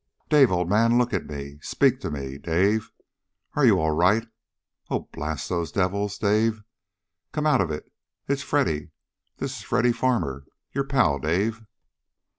"Dave, old man, look at me! Speak to me, Dave! Are you all right? Oh, blast those devils! Dave! Come out of it. It's Freddy! This is Freddy Farmer. Your pal. _Dave!